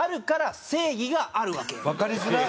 わかりづらっ！